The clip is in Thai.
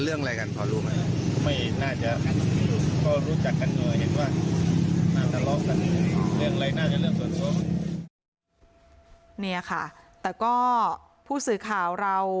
เรื่องอะไรน่าจะเรื่องส่วนสมเนี่ยค่ะแต่ก็ผู้สื่อข่าวเรา